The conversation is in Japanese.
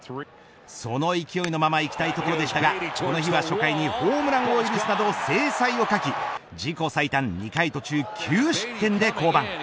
その勢いのままいきたいところでしたが、この日は初回にホームランを許すなど精彩を欠き自己最短２回途中９失点で降板。